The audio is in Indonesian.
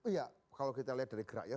ya kalau kita lihat dari geraknya